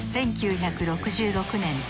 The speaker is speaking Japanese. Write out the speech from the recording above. １９６６年